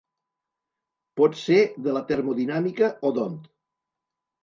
Pot ser de la termodinàmica o D'Hondt.